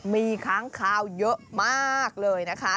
มีค้างคาวเยอะมากเลยนะคะ